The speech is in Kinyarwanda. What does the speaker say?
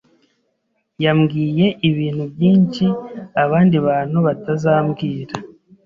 yambwiye ibintu byinshi abandi bantu batazambwira.